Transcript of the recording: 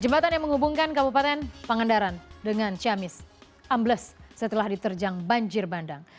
jembatan yang menghubungkan kabupaten pangandaran dengan ciamis ambles setelah diterjang banjir bandang